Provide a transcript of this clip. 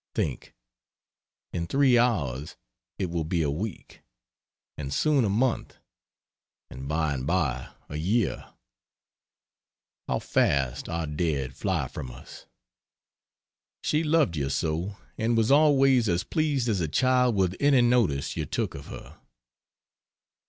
Think in 3 hours it will be a week! and soon a month; and by and by a year. How fast our dead fly from us. She loved you so, and was always as pleased as a child with any notice you took of her.